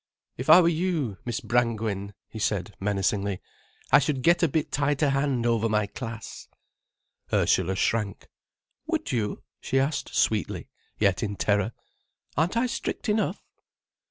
"If I were you, Miss Brangwen," he said, menacingly, "I should get a bit tighter hand over my class." Ursula shrank. "Would you?" she asked, sweetly, yet in terror. "Aren't I strict enough?"